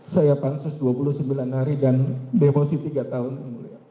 saya pansus dua puluh sembilan hari dan demosi tiga tahun yang mulia